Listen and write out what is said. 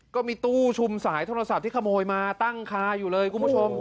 ก็มีตู้ชุมสายโทรศัพท์ที่ขโมยมาตั้งคาอยู่เลยคุณผู้ชม